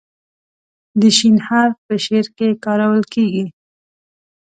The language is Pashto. د "ش" حرف په شعر کې کارول کیږي.